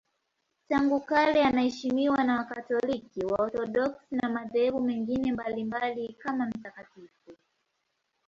Tangu kale anaheshimiwa na Wakatoliki, Waorthodoksi na madhehebu mengine mbalimbali kama mtakatifu.